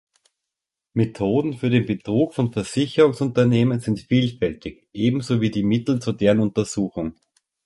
Methoden für den Betrug von Versicherungsunternehmen sind vielfältig, ebenso wie die Mittel zu deren Untersuchung.